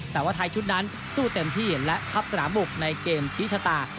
แต่ว่าไทยชุดนั้นสู้เต็มที่และทับสนามบุกในเกมชี้ชะตา